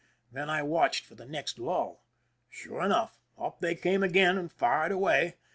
Then I watched for the next lull. Sure enough, up they came again, and fired away.